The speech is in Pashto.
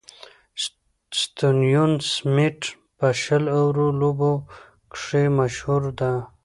ستيون سميټ په شل اورو لوبو کښي مشهوره ده.